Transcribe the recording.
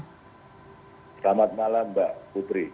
selamat malam mbak putri